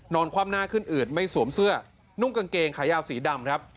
คว่ำหน้าขึ้นอืดไม่สวมเสื้อนุ่งกางเกงขายาวสีดำครับ